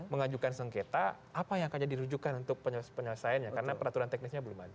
mengajukan sengketa apa yang akan jadi rujukan untuk penyelesaiannya karena peraturan teknisnya belum ada